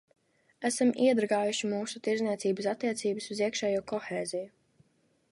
Esam iedragājuši mūsu tirdzniecības attiecības un iekšējo kohēziju.